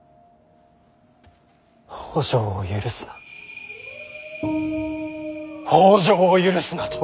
北条を許すな北条を許すなと。